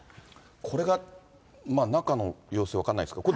これが、中の様子、分かんないですけれども、